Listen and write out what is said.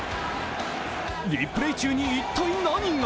リプレー中に一体何が？